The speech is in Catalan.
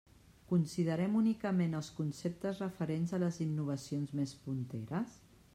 Considerem únicament els conceptes referents a les innovacions més punteres?